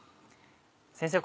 先生